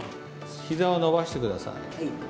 ひざを伸ばして下さい。